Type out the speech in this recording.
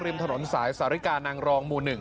ริมถนนสายสาริกานางรองหมู่๑